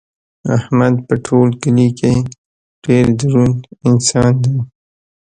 احمد په ټول کلي کې ډېر دروند انسان دی.